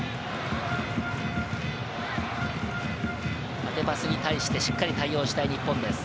縦パスに対して、しっかり対応したい、日本です。